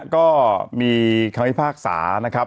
ก็มีคำพิพากษานะครับ